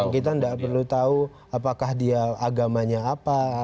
kita tidak perlu tahu apakah dia agamanya apa